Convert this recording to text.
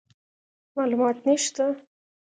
معلومات نشته،